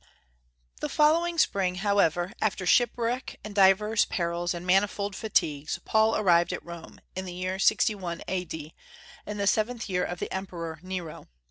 The following spring, however, after shipwreck and divers perils and manifold fatigues, Paul arrived at Rome, in the year 61 A.D., in the seventh year of the Emperor Nero.